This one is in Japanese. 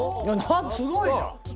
すごいじゃん！